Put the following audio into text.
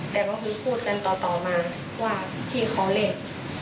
แต่ก็คือพูดกันต่อมาว่าพี่เขาเล่น